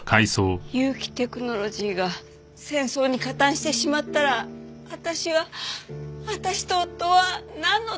結城テクノロジーが戦争に加担してしまったら私は私と夫はなんのために。